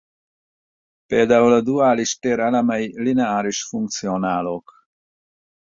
Például a duális tér elemei lineáris funkcionálok.